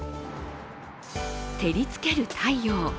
照りつける太陽。